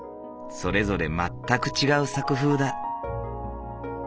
それぞれ全く違う作風だ。